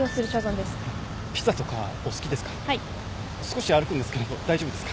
少し歩くんですけれど大丈夫ですか？